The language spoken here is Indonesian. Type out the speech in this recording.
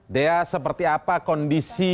dea seperti apa kondisi saat ini